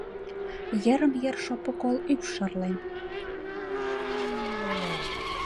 Йырым-йыр шопо кол ӱпш шарлен.